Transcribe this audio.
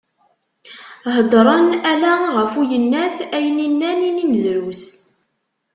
Hedren ala γef uyennat, ayen i nnan inin drus.